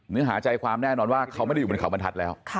เนื้อหาใจความแน่นอนว่าเขาไม่ได้อยู่บนเขาบรรทัศน์แล้ว